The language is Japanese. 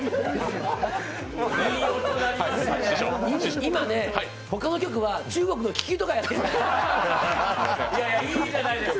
今ね、他の局は中国の危機とかやってる。